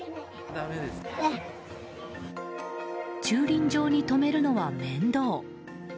駐輪場に止めるのは面倒。